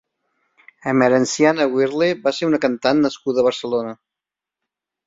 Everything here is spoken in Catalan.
Emerenciana Wehrle va ser una cantant nascuda a Barcelona.